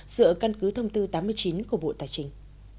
dựa căn cứ thông tư tám mươi chín của bộ tài chính